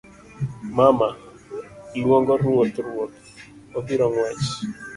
mama; luongo ruoth ruoth; obiro ng'wech